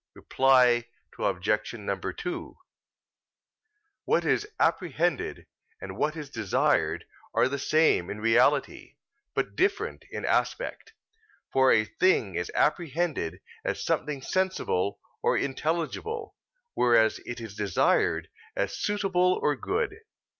Reply Obj. 2: What is apprehended and what is desired are the same in reality, but differ in aspect: for a thing is apprehended as something sensible or intelligible, whereas it is desired as suitable or good.